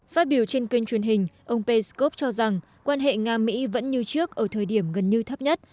phát biểu trên kênh truyền hình ông peskov cho rằng quan hệ nga mỹ vẫn như trước ở thời điểm gần như thấp nhất